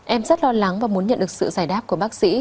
em rất lo lắng và muốn nhận được sự giải đáp của bác sĩ